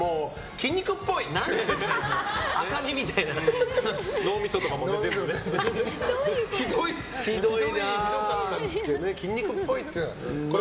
筋肉っぽいっていう。